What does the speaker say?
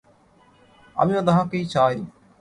আমিও তাহাকেই চাই।